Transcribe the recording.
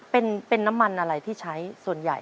เป็นน้ำมันอะไรที่ใช้ส่วนใหญ่